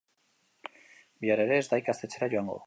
Bihar ere ez da ikastetxera joango.